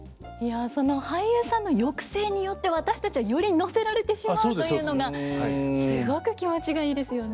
その俳優さんの抑制によって私たちはより乗せられてしまうというのがすごく気持ちがいいですよね。